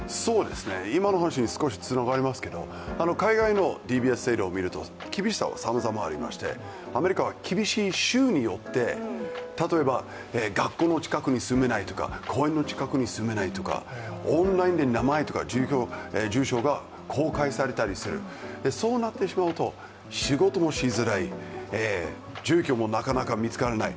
今の話に少しつながりますけれども海外のＤＢＳ制度をみると、厳しさはさまざまありまして、アメリカは厳しい州によって例えば、学校の近くに住めないとか公園の近くに住めないとかオンラインで名前とか住所が公開されたりする、そうなってしまうと、仕事もしづらい住居もなかなか見つからない